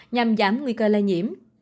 nhằm giảm nguy cơ lây nhiễm